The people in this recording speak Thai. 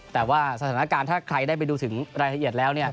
แต่ว่าสถานการณ์ถ้าใครได้ไปดูถึงรายละเอียดแล้ว